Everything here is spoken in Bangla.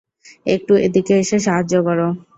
একটু এদিকে এসে সাহায্য কর।